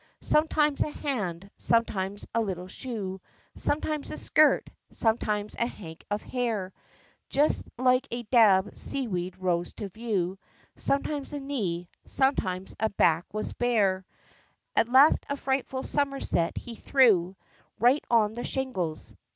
Sometimes a hand sometimes a little shoe Sometime a skirt sometimes a hank of hair Just like a dabbled seaweed rose to view, Sometimes a knee sometimes a back was bare At last a frightful summerset he threw Right on the shingles.